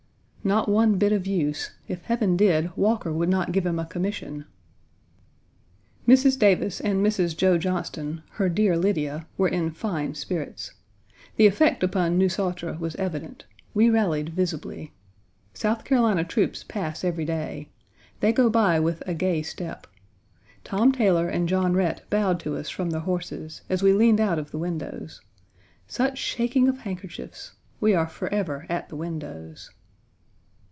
Not one bit of use. If Heaven did, Walker would not give him a commission. Mrs. Davis and Mrs. Joe Johnston, "her dear Lydia," were in fine spirits. The effect upon nous autres was evident; we rallied visibly. South Carolina troops pass every day. They go by with a gay step. Tom Taylor and John Rhett bowed to us from their horses as we leaned out of the windows. Such shaking of handkerchiefs. We are forever at the windows.